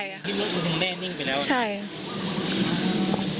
ที่มึงคุณแม่นิ่งไปแล้ว